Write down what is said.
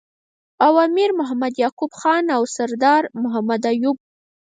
او امیر محمد یعقوب خان او سردار محمد ایوب